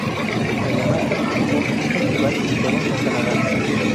Además, participó en un festival en Toronto, Canadá.